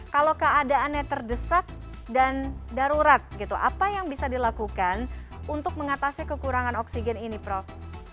kalau keadaannya terdesak dan darurat gitu apa yang bisa dilakukan untuk mengatasi kekurangan oksigen ini prof